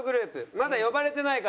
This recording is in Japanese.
まだ呼ばれてない方？